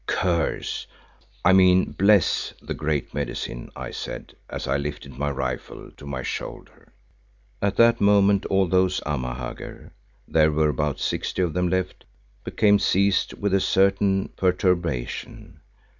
"Curse—I mean bless—the Great Medicine," I said as I lifted my rifle to my shoulder. At that moment all those Amahagger—there were about sixty of them left—became seized with a certain perturbation.